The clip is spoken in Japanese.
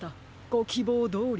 ごきぼうどおり